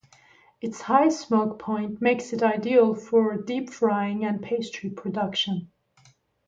Its high smoke point makes it ideal for deep frying and pastry production.